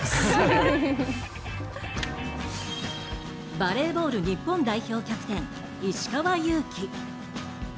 バレーボール日本代表キャプテン石川祐希。